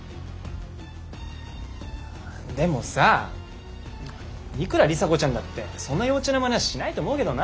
でもさいくら里紗子ちゃんだってそんな幼稚なまねはしないと思うけどな。